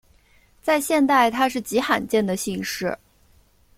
在现代它是极罕见的姓氏。